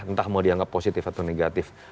entah mau dianggap positif atau negatif